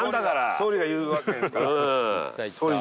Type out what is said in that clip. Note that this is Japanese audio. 総理が言うわけですから。